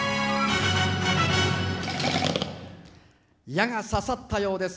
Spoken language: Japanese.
矢がささったようです。